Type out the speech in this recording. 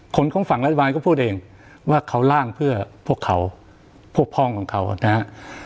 ของฝั่งรัฐบาลก็พูดเองว่าเขาร่างเพื่อพวกเขาพวกพ่องของเขานะฮะ